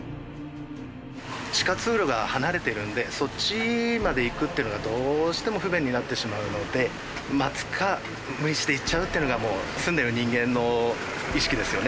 地下通路が離れているのでそっちまで行くっていうのがどうしても不便になってしまうので待つか無理して行っちゃうっていうのがもう住んでる人間の意識ですよね。